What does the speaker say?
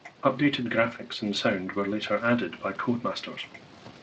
Updated graphics and sound were later added by Codemasters.